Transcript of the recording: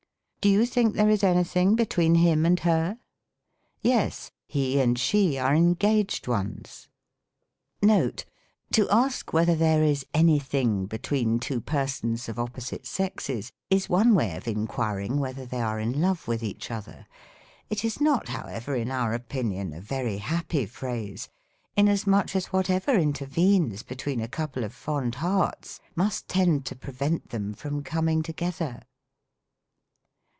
"Do you think there is SYNTAX. 95 any thing between him and her .?"" Yes ; he and she are engaged ones." Note. — To ask whether there is any thing between two persons of opposite sexes, is one way of inquiring whether they are in love with each other. It is not, however, in our opinion, a very happy phrase, inas much as whatever intervenes between a couple of fond liearts, must tend to prevent them from coming together.